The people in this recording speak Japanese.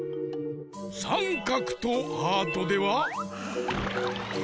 さんかくとハートでは？